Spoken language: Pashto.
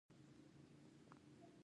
د مرچ دانه د هضم لپاره وکاروئ